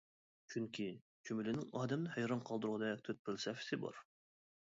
چۈنكى، چۈمۈلىنىڭ ئادەمنى ھەيران قالدۇرغۇدەك تۆت پەلسەپىسى بار.